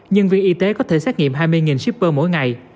nhân viên y tế có thể xét nghiệm hai mươi shipper mỗi ngày